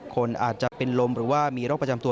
คนอาจจะเป็นลมหรือว่ามีโรคประจำตัว